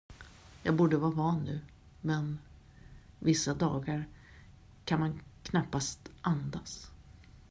Jag borde vara van nu, men vissa dagar kan man knappast andas.